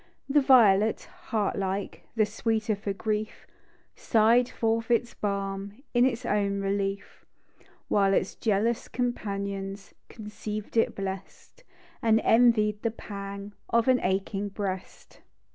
The violet (heart like), The sweeter for grief, Sigli'cl forth its balm In its own relief ; While its jealous companions Conceiv'd it blest, And envied the pang Of an aching breast.